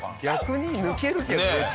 逆に抜けるけどね